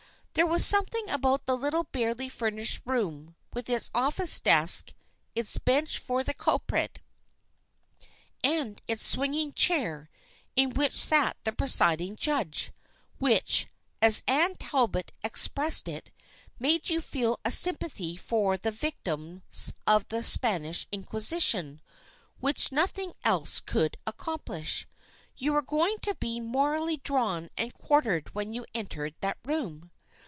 There was something about the little barely furnished room, with its office desk, its bench for the culprit, and its swinging chair in which sat the presiding judge, which, as Anne Talbot ex pressed it, made you feel a sympathy for the vic tims of the Spanish Inquisition which nothing else could accomplish. You were going to be morally drawn and quartered when you entered that room.